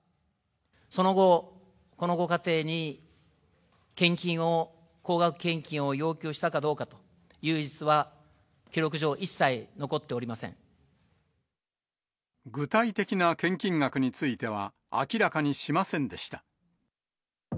その後、このご家庭に献金を、高額献金を要求したかどうかという事実は、記録上、一切残ってお具体的な献金額については、明らかにしませんでした。